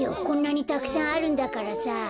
こんなにたくさんあるんだからさ。